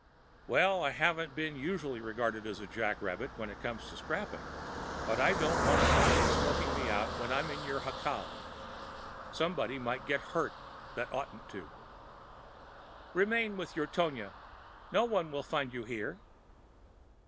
"Well, I haven't been usually regarded as a jack rabbit when it comes to scrapping; but I don't want a posse smoking me out when I'm in your jacal. Somebody might get hurt that oughtn't to." "Remain with your Tonia; no one will find you here."